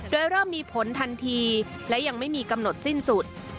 โดยเริ่มมีผลทันทีและยังไม่มีกำหนดสิ้นสุด